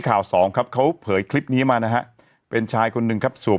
สองครับเขาเผยคลิปนี้มานะฮะเป็นชายคนหนึ่งครับสวม